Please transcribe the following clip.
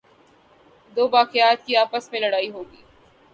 دوباقیات کی آپس میں لڑائی ہوگئی۔